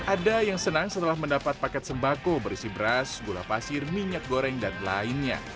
ada yang senang setelah mendapat paket sembako berisi beras gula pasir minyak goreng dan lainnya